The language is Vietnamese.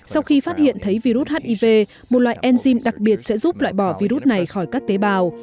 sau khi phát hiện thấy virus hiv một loại enzym đặc biệt sẽ giúp loại bỏ virus này khỏi các tế bào